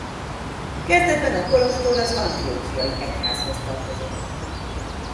Kezdetben a kolostor a Antiochiai Egyházhoz tartozott.